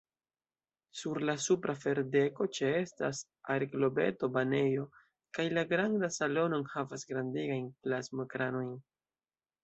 Sur la supra ferdeko, ĉeestas aerglobeto-banejo kaj la granda salono enhavas grandegajn plasmo-ekranojn.